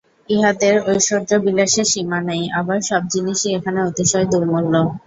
ইহাদের ঐশ্বর্যবিলাসের সীমা নাই, আবার সব জিনিষই এখানে অতিশয় দুর্মূল্য।